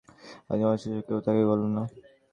সবাই জানে, অথচ কেউ এসে তাঁকে বলল না।